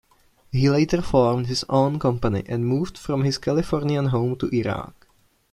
He later formed his own company and moved from his Californian home to Iraq.